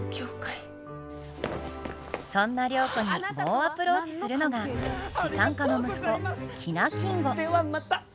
そんな良子に猛アプローチするのが資産家の息子喜納金吾。